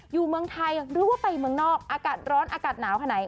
เมืองไทยหรือว่าไปเมืองนอกอากาศร้อนอากาศหนาวขนาดไหน